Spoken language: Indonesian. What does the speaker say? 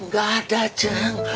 gak ada jeng